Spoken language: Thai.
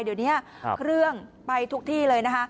เดี๋ยวนี้เครื่องไปทุกที่เลยนะคะ